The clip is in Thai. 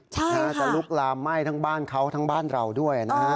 ใช่จะลุกลามไหม้ทั้งบ้านเขาทั้งบ้านเราด้วยนะฮะ